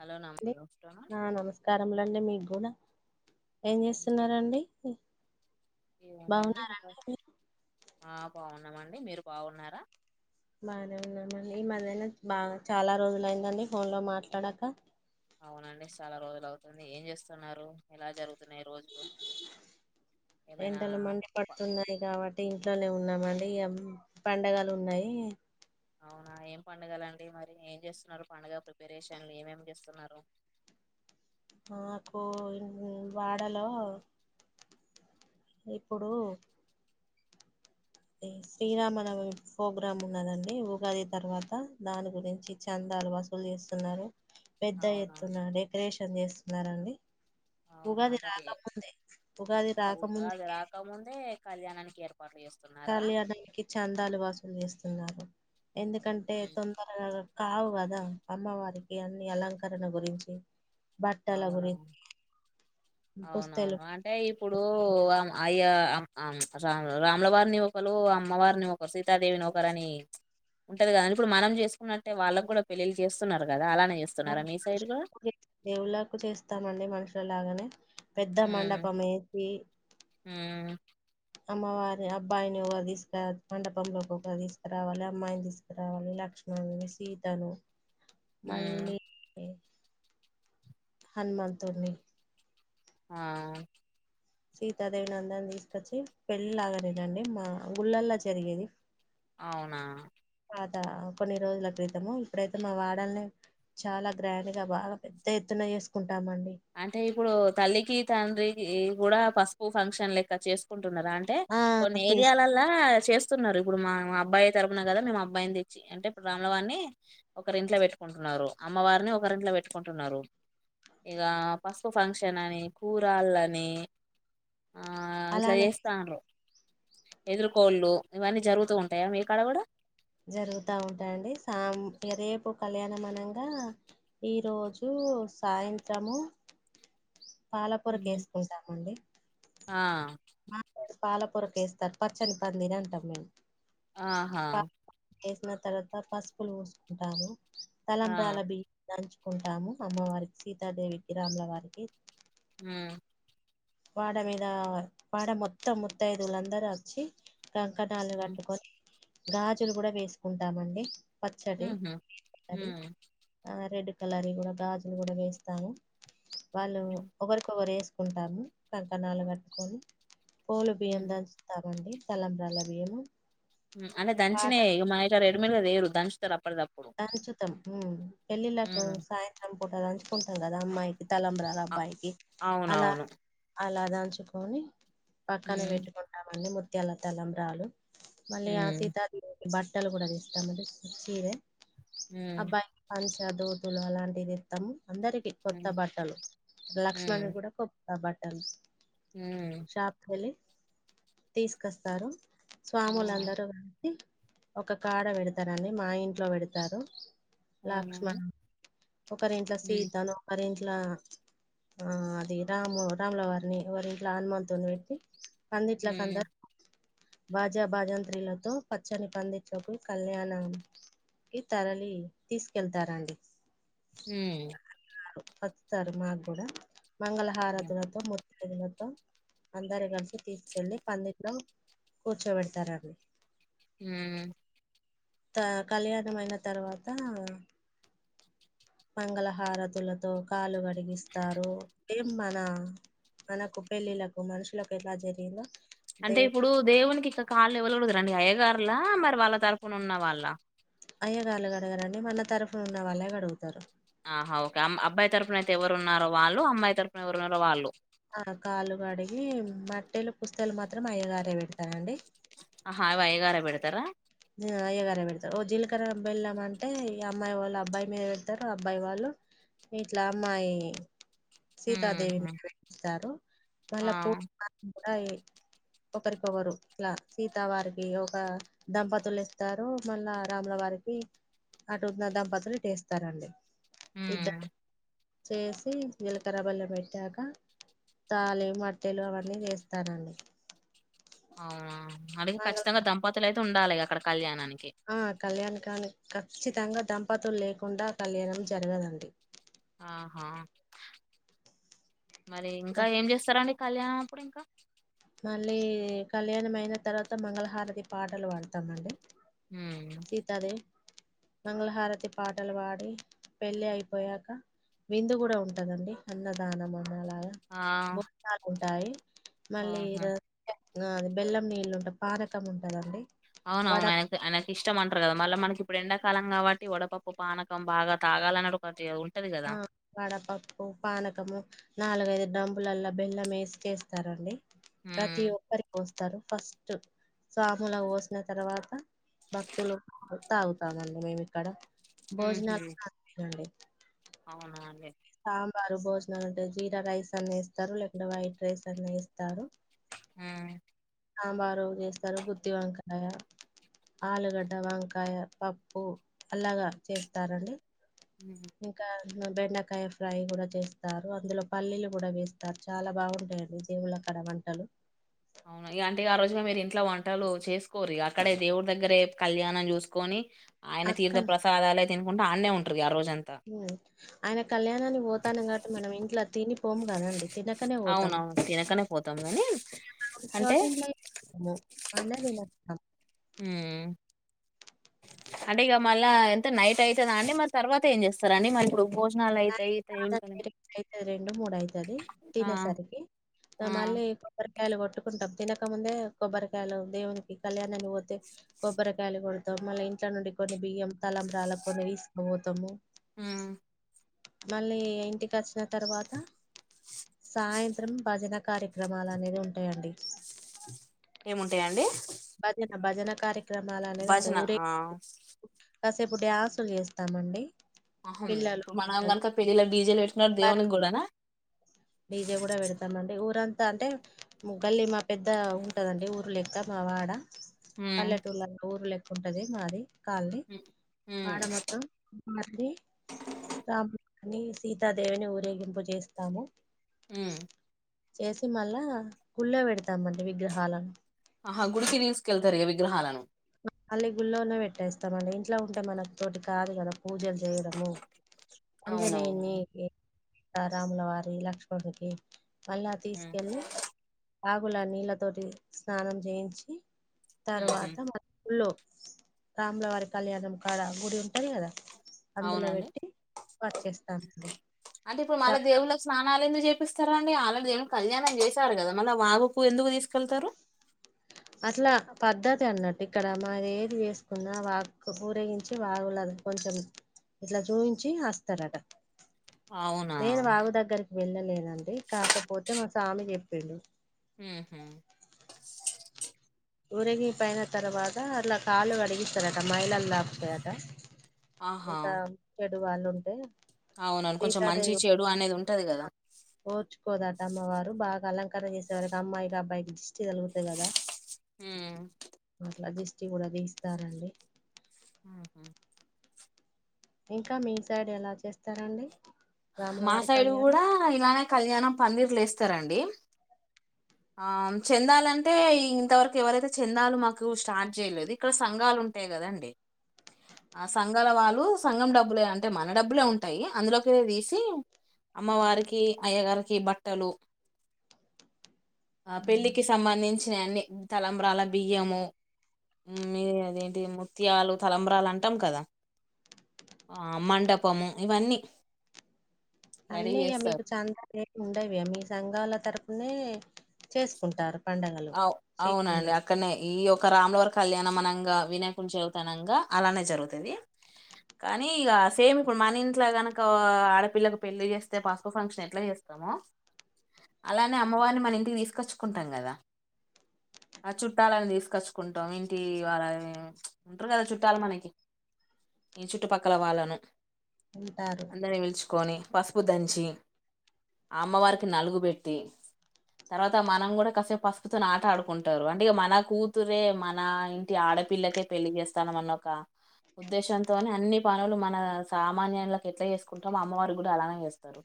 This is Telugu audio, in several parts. హలో నమ గుడ్ ఆఫ్టర్నూన్ నా నమస్కారము లండి మీ గుడా ఏం చేస్తున్నారండి ఏముందండి బాగున్నారండి మీరు ఆ బాగున్నామండి మీరు బాగున్నారా బానే ఉన్నామండి ఈ మల్లె నా బాగా చాలా రోజులు అయిందండి ఫోన్ లో మాట్లాడాక అవునండి చాలా రోజులు అవుతుంది ఏం చేస్తున్నారు ఎలా జరుగుతున్నాయి ఈ రోజులు ఏమైనా ఎండలు మండి ప- పడుతున్నాయి కాబట్టి ఇంట్లోనే ఉన్నామ్ అండి ఇగ పండగలు ఉన్నాయి అవునా ఏం పండుగల అండి మరి ఏం చేస్తున్నారు పండుగ ప్రిపరేషన్లు ఏమేమి చేస్తున్నారు మాకు ఇన్ వాడలో ఇప్పుడు శ్రీరామనమి ప్రోగ్రామ్ ఉన్నదండి ఉగాది తర్వాత దాని గురించి చందా దాలు వసూలు చేస్తున్నారు పెద్ద అవునా ఎత్తున డెకరేషన్ చేస్తున్నారు అండి ఉగాది రాకముందే ఉగాది అగో ఉగాది రాకముందుకే రాకముందే కళ్యాణానికి ఏర్ కళ్యాణానికి చందాలు వసూల్ చేస్తున్నారు ఎందుకంటే ఉమ్, తొందరగా కావు కదా అమ్మవారికి అన్ని అలంకరణ గురించి బట్టల అవునా గురించి అవునా పుస్తలు అంటే ఇప్పుడు అమా అయ్యా అం ఆమ్ సామ్ రా రాములవారిని ఒకరు అమ్మవారిని ఒకరు సీతాదేవిని ఒకరు అని ఉంటది కదా అన్ ఇప్పుడు మనం చేసుకున్నట్టే వాళ్ళకు కూడా పెళ్లిళ్లు చేస్తున్నారు కదా అలానే ఏస్తున్నారా మీ సైడ్ గో దేవుళ్ళలకు చేస్తామండి మనుషుల లాగానే పెద్ద మండపం ఏ వే ఉ అమ్మవారి అబ్బాయిని వోగల్ తీసుకురా మండపంలో ఒకల్ తీసుకురావాలి అమ్మాయిని తీసుకురావాలి లా లక్షష్మణని సీతను ఉ మళ్ళీ హనుమంత్ తోని ఆ సీతాదేవిని అందరు తీసుకొచ్చి పెళ్ళిలాగానే అండి మా గుళ్ళలా జరిగేది అవునా పాత కొన్ని రోజుల క్రితము ఇప్పుడైతే మా వాడల్ నే చాలా గ్రాండ్ గా బాగా పెద్ద ఎత్తున నా ఏసుకు అంటే ఇప్పుడు తల్లికి తండ్రికి కూడా పసుపు ఫంక్షన్ లెక్క చేసుకుం కుంటున్నారు అంటే ఆ కొన్ని తీసు ఏరియాలలా చేస్తున్నారు ఇప్పుడు మా మా అబ్బాయి తరపున కదా మేము అబ్బాయిని తెచ్చి అంటే ఇప్పుడు రాములవారిని ఒకరి ఇంట్ల పెట్టుకుంటున్నారు అమ్మవారిని ఒకరి ఇంట్ల పెట్టుకుంటున్నారు ఇగ పసుపు ఫంక్షన్ అని కూరళ్ళు అని ఆ ఇట్లా అలానే చేస్తాండ్రు ఎదురుకోళ్ళు ఇవన్నీ జరుగుతూ ఉంటాయా మీ కాడ కూడా జరుగుతా ఉంటాయి అండి సాం ఇగ రేపు కళ్యాణమనంగా ఈ రోజు కు సాయంత్రము పాలపోరక ఉమ్. వేసుకుంటామండి ఆ మా పాలపొరకు వేస్తారు పచ్చని పందిరి అంటాం మేము ఆహా పా వేసిన తర్వాత పసుపులు పోసుకుంటారు ఆ తలంబ్రాల బియ్యం దంచు కుంటాము అమ్మవారికి సీతాదేవికి రాముల వారికి ఉ వాడ మీద వాడ మొత్తం ముతైదులు అందరూ వచ్చి. కంకణాలు కట్టుకొని గాజులు కూడా వేసుకుంటాం అండీ, పచ్చవి, ఉహు ఎర్రవి ఆ రెడ్ కలరీ కూడా గాజులు కూడా వేస్తాను వాళ్ళు ఒకరికొకరు వేసుకుంటాలు. కంకణాలు కట్టుకొని పోలు బియ్యం దంచుతామండి తలంబ్రాల బియ్యము, అంటే పాట దంచినే ఇవి మన ఎడ్ మెడ్ గా తేరు దంచుతారు, అప్ అచుతం పెళ్ళిళ్ళలకు ఉమ్. సాయంత్రం అట్లా పంచుకుంటాం కదా అమ్మాయికి తలంబ్రాల అ- అబ్బాయికి అలా అవునవును అలా పంచుకొన్ని పక్కనే ఉమ్, పెట్టుకుంటామండి ముత్యాల తెలంబ్రాలు, మళ్ళ ఆ ఉమ్, సీతాదేవికి బట్టలు కూడా పెడతాం అండీ సీరే ఉమ్, అబ్బాయికి పంచ, దొతి అలాంటివి తేతము. అందరికి కొత్త ఉమ్, బట్టలు లక్ష్మణ్ ఉమ్, కూడా కొత్త బట్టలు, ఉమ్. షాప్కి వెళ్ళి తీసుకొస్తారు. ఆ, స్వాములందరూ కలిసి ఒక కాడ పెడతారండి మా ఇంట్లో పెడతారు. అవునవును లక్ష్మణ్ ఒకరి ఇంట్లా ఉమ్, సీతాను ఒకరి ఇంట్లా ఆ అది రాము రాములవారిని వారి ఇట్లా హనుమాంతోని పెట్టి, పందిట్లాకు ఉమ్, అందరూ బాజా భాజంత్రిలతో పచ్చని పందిట్లకు కళ్యాణం, ఈ తరలి తీసుకెళ్తారండి. హు వత్తారు మాకు కూడా మంగళహారతులతో మ హరులతో అందరం కలిసి తీసుకెళ్ళలి పందింట్లో, కూచ్చోపేడతారండి. ఉ త కళ్యాణం అయిన తర్వాత మంగళహారతులతో కాలు కడిగిస్తారు, ఎ మన మనకు పెళ్ళిళ్లకు మనుషులకు ఎలా జరిగిందో అంటే దేవు ఇప్పుడు దేవునికి ఇంకా కాళ్ళు ఎవరు కడుగుతారండి అయ్యగారులా మరి వాళ్ళ తరపుున ఉన్న వాళ్ళ, అయ్యగార్లు కడగారు అండీ మన తరువునా ఉన్న వాళ్ళే కడుగుతారు, ఆహ ఓకే అ అబ్బాయి తరపునయితే ఎవరున్నార, వాళ్ళు అమ్మాయి తరపున ఎవరున్నారో వాళ్ళు, ఆ కాలుకడిగి మట్టెలు, పుస్తలు మాత్రం అయ్యగారే పెడతానండి, ఆహా అవి అయ్యగారే పేడతారా, అయ్యగారె పెడతారు ఓ జీలకర్ర బెల్లం అంటే ఈ అమ్మాయి వాళ్ళు అబ్బాయి మీద పెడతారు అబ్బాయి వాళ్ళు, ఇట్లా అమ్మాయి, ఉహు సీతాదేవిని పూజిస్తారు, ఆ మళ్ళా పూ కూడా ఒకరికొరు ఇట్లా సీత వారికి ఒక దంపతులు వస్తారు, మళ్ళా రాముల వారికి అటున్న దంపతులు ఇటువస్తారండి. ఇద్ద ఉమ్ చేసి జీలకర్ర, బెల్లం పెట్టాక తాలి మట్టెలు అవన్నీ వేస్తారండి. అవునా ఆడ ఖచ్చితంగా దంపతులు అయితే ఉండాలి అక్కడ కళ్యాణానికి, ఆ కళ్యాణ కానికి ఖచ్చితంగా దంపతులు లేకుండా కళ్యాణం జరగదండి. ఆహా మరి ఇంకా ఏం చేస్తారండి. కళ్యాణం అప్పుడు ఇంకా, మళ్ళీ కళ్యాణం అయిన తర్వాత మంగళహారతి పాటలు పాడుతాంమండి. ఉమ్ సీతాదేవి మంగళహారతి పాటలు పాడి పెళ్ళి అయిపోయాక, విందు కూడా ఉంటదండి అన్నదానం అన్న అలాగా ఆ భోజనాలు ఉంటాయి. మళ్ళీ ఓహో బెల్లం నీళ్ళు ఉంటంది, పానకం ఉంటదండి. అవున వడ అవును ఆయ ఆయనకి ఇష్టం అంటారు కద మళ్ళ మనకిప్పుడు ఎండా, కాలం కాబట్టి వడపప్పు పానకం బాగా తాగానిడు ఒకది ఆ వడపప్పు పానకము నాలుగైదు తాంబూలాల్ లో బెల్లం వేసి చస్తారండి ప్రతి ఉమ్ ఒక్కరికి రు ఫస్ట్ స్వాములా పోసిన తర్వాత భక్తులు తాగుతామండి మేము ఇక్కడ ఉహు భోజనాలు తండి అవునా అండి సాంబారు భోజనాలు అంటే జీరా రైస్ అన్నా వేస్తారు లేకుంటే వైట్ రైస్ అన్నా వేస్తారు ఆ సాంబారు చేస్తారు గుత్తి వంకాయ ఆలుగడ్డ వంకాయ పప్పు అలాగ చేస్తారండి ఉమ్. ఇంకా బెండకాయ ఫ్రై కూడా చేస్తారు అందులో పల్లీలు కూడా వేస్తారు చాలా బాగుంటాయిడి దేవుళ అక్కడ వంటలు అవును ఇగ అంటే ఆ రోజుగా మీరు ఇంట్లో వంటలు చేసుకోరు అక్కడే దేవుడి దగ్గరే కళ్యాణం చూసుకొని ఆయన తీర్థ అక్కడ ప్రసాదాలే తికుంట ఆడనే ఉంటారు ఆ రోజు ఆయన కళ్యాణానికి పోతున్నాం కాబట్టి మనం ఇంట్లో తిని పోము కదండి తినకనే పోతాం. అవునవును తినకనే పోతాం కాని అంటే మో అన్న వి హ అంటే ఇక మళ్ళా ఎంత నైట్ అవుతుందా అండి మళ్ళ తర్వాత ఏం చేస్తారు అండి మ ఇప్పుడు భోజనాలు అయితాయి నైట్ ఇ టైమ్ కి కాదండి రెండయితది రెండు మూడు అవుతది తినేసరికి ఆ మళ్ళీ కొ కాయలు కొట్టుకుంటాం తినకముందే కొబ్బరికాయలు దేవునికి కళ్యాణాన్ని పోతే కొబ్బరికాయలు కొడతాం మళ్ళీ ఇంట్ల నుండి కొన్ని బియ్యం తలంరాల కొన్ని తీసుకపోతాము ఆ మళ్ళీ ఇంటికి వచ్చిన తర్వాత సాయంత్రం భజన కార్యక్రమాలు అనేది ఉంటాయండి ఏముంటాయండి భజన భజన కార్యక్రమాలు అనేది ఉంటాయి భజన ఊరే ఆ కాసేపు డ్యాసులు చేస్తామండి అహను పిల్లలు ఇప్పుడు మనం పెద్దలు కనుక పెళ్ళిలా డీజిల్ పెట్టినన్నాడు బార దేవునికి కూడానా డీజే కూడా పెడతామండి ఊరంతా అంటే గల్లీ మా పెద్ద ఉంటదండి ఊరు లెక్క మా వాడ ఉమ్ పల్లెటూల ఊర్ లెక్క ఉంటది మాది కాల్ని ఉమ్ ఉమ్ వాడ మొత్తం బబ అని సీతాదేవిని ఊరేగింపు చేేస్తాము ఉమ్ము చేసి మళ్ళా గుళ్ళో పెడతామండి విగ్రహాలను ఆహా గుడికి తీసుకెళ్తారు ఇక విగ్రహాలను మళ్ళీ గుళ్ళనే పెట్టేస్తాంమండి ఇంట్లో ఉంటే మనతోటి కాదు కదా పూజలు చేయడము ఆంజనేయుని అవునవునండి. రాములవారి లక్ష్మణుకి మళ్ళా తీసుకెల్లి వాగుల నీళ్ళతోటి స్నానం చేయించి ఉహు తర్వాత గుళ్ళో రాములవారి కళ్యాణం కాడ గుడి ఉంటది కదా అందులో అవునండి పెట్టి వచ్చేస్తానండి అంటే ఇప్పుడు చ మళ్ళా దేవుళ్ళకి స్నానాలు ఎందు చేపిస్తారా అండి ఆల్రెడీ దేవుడికి కళ్యాణం చేశారు కదా మళ్ళా వాగుకు ఎందుకు తీసుకెళ్తారు అట్లా పద్ధతి అన్నట్టు ఇక్కడ మాది ఏది వేసుకున్నా వాగుకి ఊరేగించి వాగులాగా కొంచెం ఇట్లా చూపించి వస్తారట అవునా నేను వాగు దగ్గరికి వెళ్ళలేనండి కాకపోతే మా స్వామి చెప్పిళు ఉహు ఊరగిపోయిన తర్వాత అలా కాళ్ళు కడిగిస్తారట మైళలు కుతాయట ఆహా అంత చెడు వాళ్ళు ఉంటే అవునను కొంచెం మంచి సీతాదేవి చెడు అనేది ఉంటది కదా ఓర్చుకోదట అమ్మ వారు బాగా అలంక చేసే వరకి అమ్మాయికి అబ్బాయికి దిష్టి తగులుతది కదా ఉమ్. అట్లా జిస్టి కూడా తీస్తారండి. ఉం ఇంకా మీ సైడ్ ఎలా చేస్తారండి. మా రాములవారి సైడు కళ్యాణం కూడా ఇలానే కళ్యాణం పందిర్లు ఎస్తారండి. ఆ చెందాలంటే ఇంతవరకు ఎవరైతే చెందాలు మాకు స్టార్ట్ చేయలేదు ఇక్కడ సంఘాలు ఉం టయి కదండి. ఆ సంఘాల వాళ్ళు సంఘం డబ్బులే అంటే మన డబ్బులే ఉంటయి అందులోకె తీసి అమ్మవారికి అయ్యగారికి బట్టలు ఆ పెళ్లికి సంబంధించినయ్ అన్ని తలంబ్రాల బియ్యము. మీ అదేంటి ముత్యాలు తలంబ్రాలు అంటాం కదా. ఆ మండపము ఇవన్నీ రెడీ అన్నీ ఇక చేస్తారు మీకు చంద ఉండవి మీ సంఘాల తరపునే చేసుకుంటారు. పండగలు అవు అవునండి శ్రీరామనవమి అక్కడనే ఈయో ఒక రాములవారి కళ్యాణం మనంగా వినాయకుని చవితనంగా అలానే జరుగుతది. కానీ ఇగ సేమ్ ఇప్పుడు మన ఇంట్ల కనక ఆడపిల్లకి పెళ్ళి చేస్తే పసుపు ఫంక్షన్ ఎట్లా అయితది. మో అలానే అమ్మవారిని మన ఇంటికి తీసుకొచ్చుకుంటాం కదా. ఆ చుట్టాలని తీసుకొచ్చుకుంటాం ఇంటి వాళ్ళ ఉంటారు కదా చుట్టాలు మనకి ఈ చుట్టుపక్కల వాళ్ళను ఉంటారు అందరినీ పిలుచుకొని పసుపు దంచి అమ్మవారికి నలుగు పెట్టి తర్వాత మనం కూడా కాసేపు పస్ తోని ఆట ఆడుకుంటారు అంటే మన కూతురే మన ఇంటి ఆడపిల్లకే పెళ్లి చేస్తానమన్న ఒక ఉద్దేశంతోనే అన్ని పనులు మన సామాన్యులకి ఎట్లా చేసుకుంటామో అమ్మవారు కూడా అలానే చేస్తారు.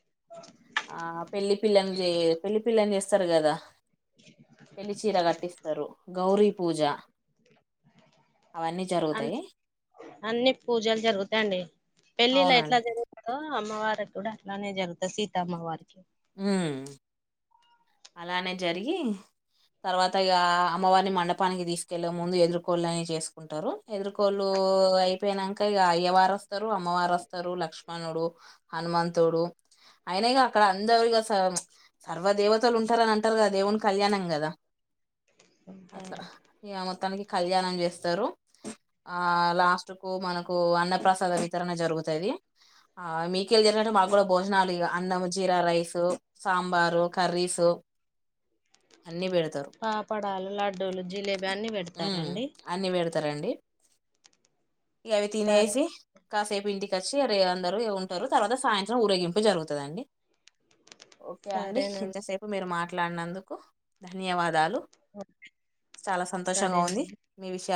ఆ పెళ్లి పిల్లను చే పెళ్లి పిల్లని చేస్తారు కదా. పెళ్లిచీర గట్టిస్తారు గౌరీ పూజ అవన్నీ అ జరుగుతాయి. అన్ని పూజలు జరుగుతాయిండి పెళ్ళిలో అవునండి ఎట్లా జరుగుతదో అమ్మవారికి కూడా అట్లానే జరుగుతది సీతమ్మవారికి మ్ అలానే జరిగి తర్వాత ఇగ అమ్మవారిని మండపానికి తీసుకెళ్ళ ముందు ఎదురుకోళ్ని చేసుకుంటారు ఎదురుకోళ్లు ఓ అయిపోయినంక ఇగ అయ్యవారు వస్తరు అమ్మవారు వస్తరు లక్ష్మణుడు హనుమంతుడు అయిన ఇగ అక్కడ అందరు ఇగ సర్వదేవత లు ఉంటరని అంటారు కద దేవుని కళ్యాణం కదా అ అట్లా ఇగ మొత్తానికి కళ్యాణం చేస్తరు ఆ లాస్ట్ కు మనకు ఆ అన్న ప్రసాద వితరణ జరుగుతది. ఆ మీకెళ్ళి జరిగినట్టే మాకు కూడా భోజనాలు ఇగ అన్నం జీరా రైస్ సాంబారు కర్రీస్. తో అన్ని పెడు తరు పాపడాలు లడ్డూలు జిలేబీ అన్ని మ్ పెడతారండి అన్ని పెడతారండి. ఇగ అవి సరే తినేసి కాసేపు ఇంటికి వచ్చి అరే అందరు ఉంటారు తర్వాత సాయంత్రం ఊరేగింపు జరుగుతదండి. ఓకే అండి సరేనండి ఇంతసేపు మీరు మాట్లాడినందుకు ధన్యవాదాలు. ఓకే. చాలా సంతోషంగా ఉంది సరేనండి. మీ